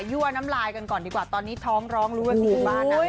ั่วน้ำลายกันก่อนดีกว่าตอนนี้ท้องร้องรู้ว่าอยู่บ้านไหน